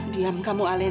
diam kamu alena